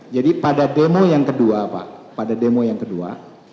jadi pada demo yang kedua pak pada demo yang kedua